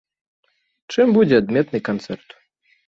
Чым будзе адметны канцэрт?